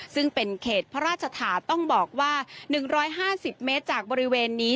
ซึ่งเป็นเขตพระราชฐานต้องบอกว่า๑๕๐เมตรจากบริเวณนี้